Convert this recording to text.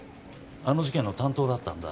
あの事件の担当だったんだ